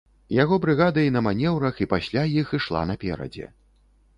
Яго брыгада і на манеўрах, і пасля іх ішла наперадзе.